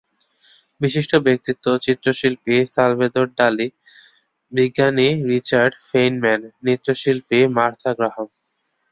বিশিষ্ট ব্যক্তিত্ব—চিত্রশিল্পী Salvador Dali, বিজ্ঞানী Richard Feynman, নৃত্যশিল্পী মার্থা গ্রাহাম।